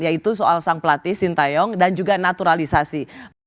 yaitu soal sang pelatih sintayong dan juga naturalisasi